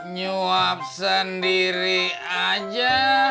nyuap sendiri aja